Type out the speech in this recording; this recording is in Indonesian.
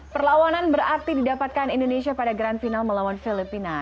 perlawanan berarti didapatkan indonesia pada grand final melawan filipina